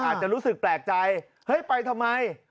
อาจจะรู้สึกแปลกใจเฮ้ยไปทำไม